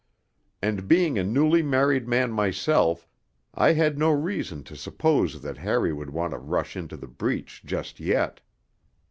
And being a newly married man myself, I had no reason to suppose that Harry would want to rush into the breach just yet.